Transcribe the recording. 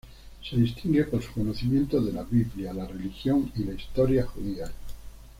Se distingue por su conocimiento de la biblia, la religión y la historia judías.